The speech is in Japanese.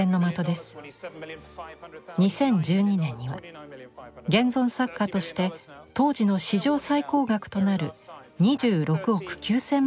２０１２年には現存作家として当時の史上最高額となる２６億９，０００万円を記録しました。